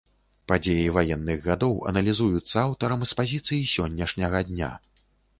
Падзеі ваенных гадоў аналізуюцца аўтарам з пазіцый сённяшняга дня.